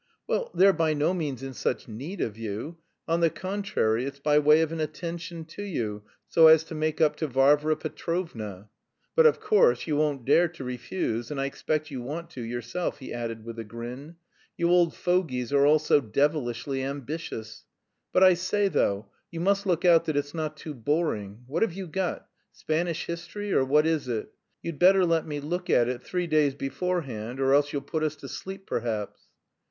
"Well, they're by no means in such need of you. On the contrary, it's by way of an attention to you, so as to make up to Varvara Petrovna. But, of course, you won't dare to refuse, and I expect you want to yourself," he added with a grin. "You old fogies are all so devilishly ambitious. But, I say though, you must look out that it's not too boring. What have you got? Spanish history, or what is it? You'd better let me look at it three days beforehand, or else you'll put us to sleep perhaps."